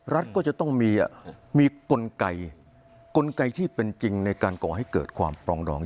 รัฐก็จะต้องมีกลไกลไกที่เป็นจริงในการก่อให้เกิดความปลองดอง